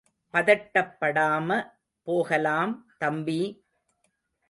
பதட்டப்படாம போகலாம் தம்பி!